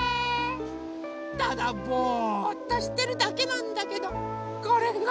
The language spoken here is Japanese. ただぼっとしてるだけなんだけどこれが。